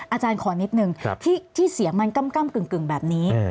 อาจารย์ขอนิดนึงที่เสียงมันก้ำกึ่งแบบนี้